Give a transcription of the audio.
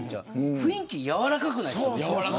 雰囲気、柔らかくないですか。